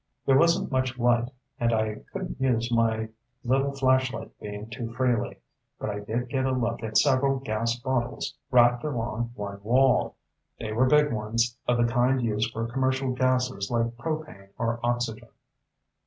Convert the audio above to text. There wasn't much light, and I couldn't use my little flashlight beam too freely, but I did get a look at several gas bottles racked along one wall. They were big ones, of the kind used for commercial gases like propane or oxygen."